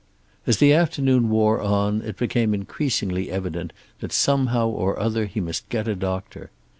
As the afternoon wore on, it became increasingly evident that somehow or other he must get a doctor.